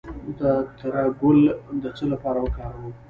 د تره ګل د څه لپاره وکاروم؟